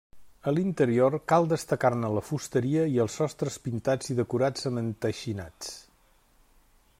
A l'interior cal destacar-ne la fusteria i els sostres pintats i decorats amb enteixinats.